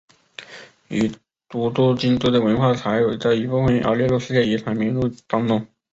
以古都京都的文化财的一部分而列入世界遗产名录当中。